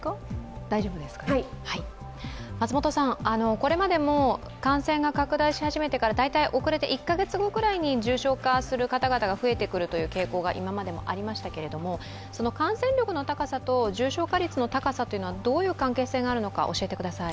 これまでも感染が拡大し始めてから大体遅れて１カ月後ぐらいに重症化する方々が増えてくるという傾向が今までもありましたけれども、感染力の高さと重症化率の高さはどういう関係性があるのか教えてください。